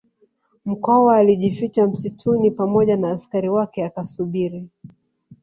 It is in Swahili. Mkwawa alijificha msituni pamoja na askari wake akasubiri